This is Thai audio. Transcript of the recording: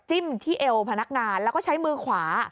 ที่เอวพนักงานแล้วก็ใช้มือขวา